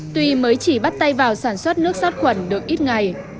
tuy mới chỉ bắt tay vào sản xuất nước sát khuẩn được ít ngày